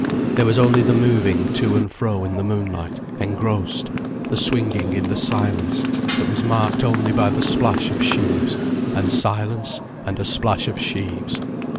There was only the moving to and fro in the moonlight, engrossed, the swinging in the silence, that was marked only by the splash of sheaves, and silence, and a splash of sheaves.